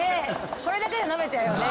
これだけで飲めちゃうね。